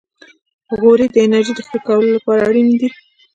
غوړې د انرژۍ د ښه کولو لپاره اړینې دي.